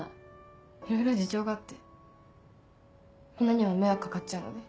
いろいろ事情があってみんなにも迷惑かかっちゃうので。